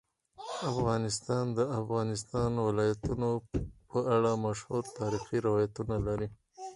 افغانستان د د افغانستان ولايتونه په اړه مشهور تاریخی روایتونه لري.